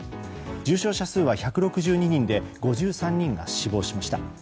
重症者数は１６２人で５３人が死亡しました。